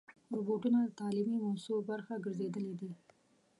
روبوټونه د تعلیمي مؤسسو برخه ګرځېدلي دي.